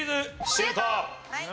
シュート！